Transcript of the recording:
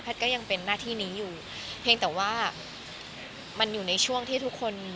ก็ยังเป็นหน้าที่นี้อยู่เพียงแต่ว่ามันอยู่ในช่วงที่ทุกคน